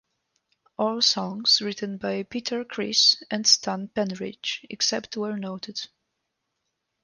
All songs written by Peter Criss and Stan Penridge, except where noted.